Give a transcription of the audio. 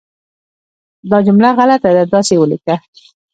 دا جمله غلطه ده، داسې یې ولیکه